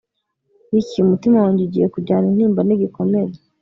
Ricky umutima wanjye ugiye kujyana intimba nigikomere